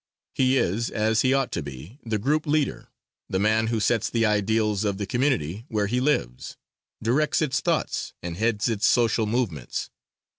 He is, as he ought to be, the group leader, the man who sets the ideals of the community where he lives, directs its thoughts and heads its social movements.